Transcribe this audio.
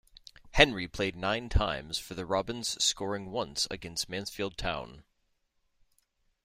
Henry played nine times for the Robins scoring once against Mansfield Town.